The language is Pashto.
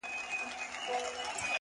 ډېـــره شناخته مي په وجود كي ده،